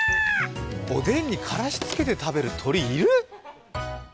おでんにカラシつけて食べる鳥、いる？